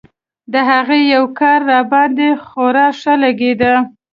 د هغې يو کار راباندې خورا ښه لګېده.